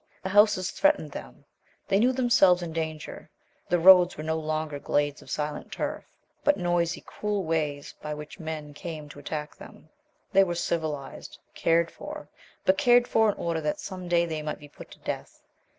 The houses threatened them; they knew themselves in danger. The roads were no longer glades of silent turf, but noisy, cruel ways by which men came to attack them. They were civilized, cared for but cared for in order that some day they might be put to death.